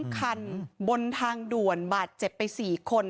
คันบนทางด่วนบาดเจ็บไป๔คน